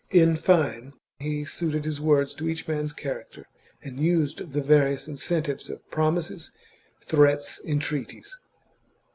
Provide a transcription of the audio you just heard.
In fine, he suited his words to each man's character, and used the various incentives of promises, threats, entreaties.